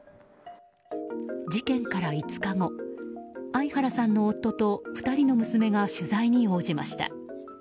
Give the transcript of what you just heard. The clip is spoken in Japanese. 事件から５日後アイハラさんの夫と２人の娘が取材に応じました。